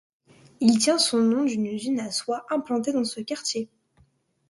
Il tient son nom d'une usine à soie implantée dans ce quartier.